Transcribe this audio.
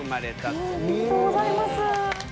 おめでとうございます。